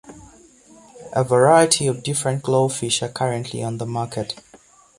A variety of different GloFish are currently on the market.